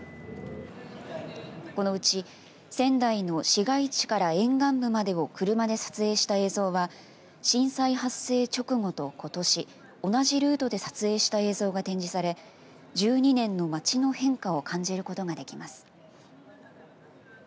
このうち仙台の市街地から沿岸部までを車で撮影した映像は震災発生直後と、ことし同じルートで撮影した映像が展示され１２年の町の変化を感じることができます。